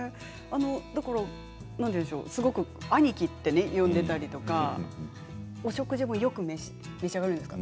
すごくアニキと呼んでいたりとかお食事もよく召し上がるんですか。